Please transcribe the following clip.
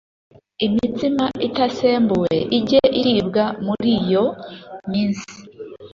imitsima itasembuwe ijye iribwa muri iyo minsi